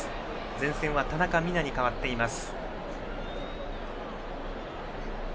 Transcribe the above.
前線は田中美南に代わっています。